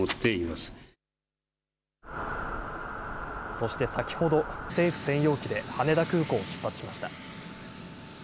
そして先ほど、政府専用機で羽田空港を出発しました。